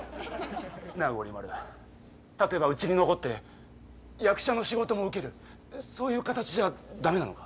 なあゴリ丸例えばうちに残って役者の仕事も受けるそういう形じゃ駄目なのか？